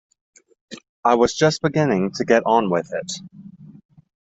I was just beginning to get on with it.